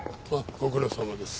ご苦労さまです。